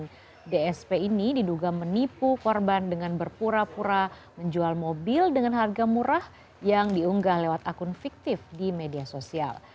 dan dsp ini diduga menipu korban dengan berpura pura menjual mobil dengan harga murah yang diunggah lewat akun fiktif di media sosial